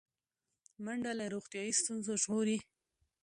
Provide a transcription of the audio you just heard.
منډه له روغتیایي ستونزو ژغوري